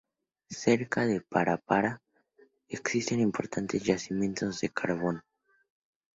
Cerca de Parapara existen importantes yacimientos de carbón.